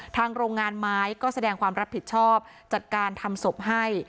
โรงงานไม้ก็แสดงความรับผิดชอบจัดการทำศพให้